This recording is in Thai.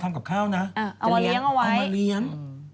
เอามาเลี้ยง